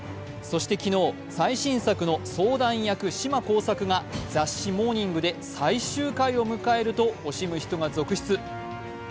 そして昨日、最新作の「相談役島耕作」が雑誌「モーニング」で最終回を迎えると惜しむ人が続出。